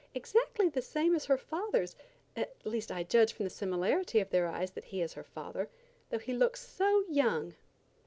Exactly the same as her father's, at least I judge from the similarity of their eyes that he is her father, though he looks so young."